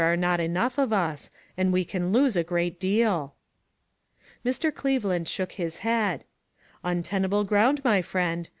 3 1 I are not enough of us, and we can lose a great deal." Mr. Cleveland shook his head. "Untenable ground, my friend.